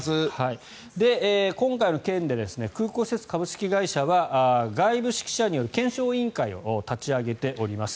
今回の件で空港施設株式会社は外部識者による検証委員会を立ち上げております。